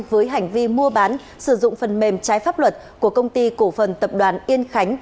với hành vi mua bán sử dụng phần mềm trái pháp luật của công ty cổ phần tập đoàn yên khánh